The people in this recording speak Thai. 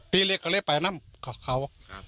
ตีนี้เขาไปน้ำเขา